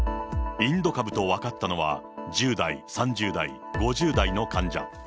インド株と分かったのは、１０代、３０代、５０代の患者。